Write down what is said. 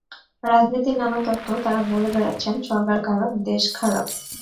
রাজনীতির নানা তত্ত্ব তাঁরা বলে বেড়াচ্ছেন সরকার খারাপ, দেশ খারাপ।